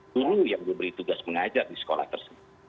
guru yang diberi tugas mengajar di sekolah tersebut